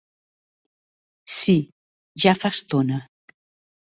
Sí, ja fa estona.